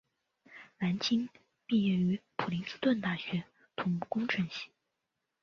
蓝钦毕业于普林斯顿大学土木工程系。